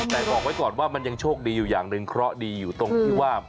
แต่บอกไว้ก่อนว่ามันยังโชคดีอยู่อย่างหนึ่งเคราะห์ดีอยู่ตรงที่ว่า